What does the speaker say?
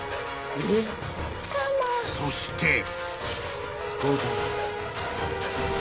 ［そして］